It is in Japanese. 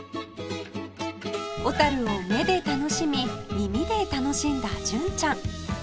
小を目で楽しみ耳で楽しんだ純ちゃん